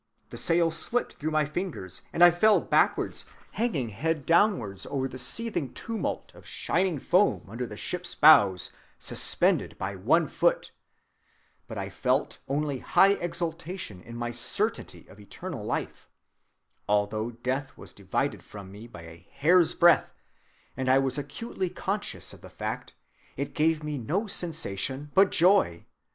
The sail slipped through my fingers, and I fell backwards, hanging head downwards over the seething tumult of shining foam under the ship's bows, suspended by one foot. But I felt only high exultation in my certainty of eternal life. Although death was divided from me by a hair's breadth, and I was acutely conscious of the fact, it gave me no sensation but joy.